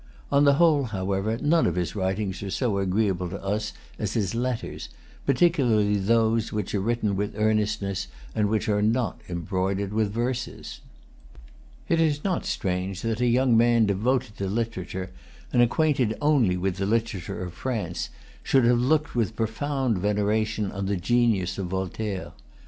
On the whole, however, none of his writings are so agreeable to us as his Letters, particularly those which are written with earnestness, and are not embroidered with verses. It is not strange that a young man devoted to literature, and acquainted only with the literature of France, should have looked with profound veneration on the genius of Voltaire.